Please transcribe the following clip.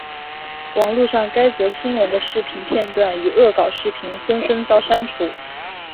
网路上该则新闻的视频片段与恶搞视频纷纷遭删除。